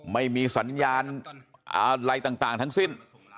ไม่มีสัญญาณอะไรต่างทั้งสิ้น